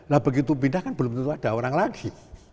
lah begitu pindah kan belum tentu ada orang lagi